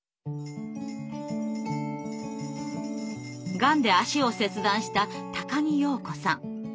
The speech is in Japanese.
がんで足を切断した木庸子さん。